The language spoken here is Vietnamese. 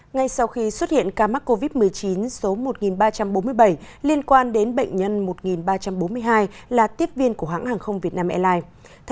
ngay sau khi xuất hiện ca mắc covid một mươi chín số một ba trăm bốn mươi bảy liên quan đến bệnh nhân một ba trăm bốn mươi hai là tiếp viên của hãng hàng không việt nam airlines